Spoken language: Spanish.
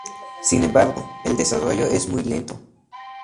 Sin embargo, el desarrollo es muy lento.